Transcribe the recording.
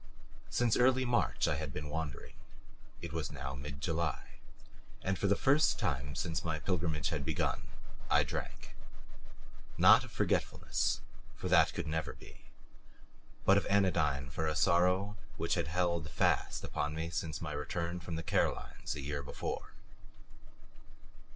Since early March I had been wandering. It was now mid July. And for the first time since my pilgrimage had begun I drank not of forgetfulness, for that could never be but of anodyne for a sorrow which had held fast upon me since my return from the Carolines a year before.